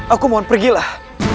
aku mohon pergilah